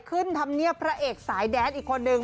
ขึ้นทำเนียำพระเอกสายแดดอีกคนนึง